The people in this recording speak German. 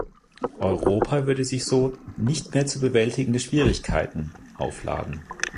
Europa würde sich so „nicht mehr zu bewältigende Schwierigkeiten“ aufladen.